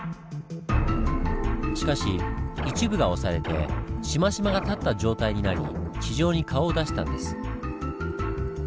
しかし一部が押されてシマシマが立った状態になり地上に顔を出したんです。